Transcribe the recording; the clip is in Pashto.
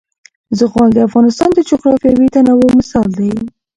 زغال د افغانستان د جغرافیوي تنوع مثال دی.